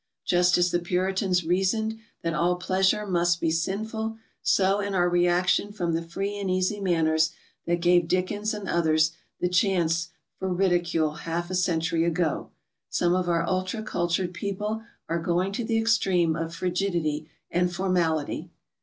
Just as the Puritans reasoned that all pleasure must be sinful, so in our reaction from the free and easy manners that gave Dickens and others the chance for ridicule half a century ago, some of our ultra cultured peo ple are going to the extreme of frigidity and formality.